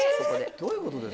どういうことです？